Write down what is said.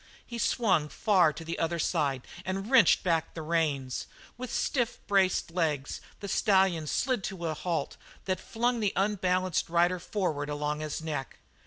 He swung far to the other side and wrenched back the reins. With stiff braced legs the stallion slid to a halt that flung his unbalanced rider forward along his neck.